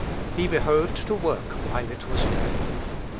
He behoved to work while it was day.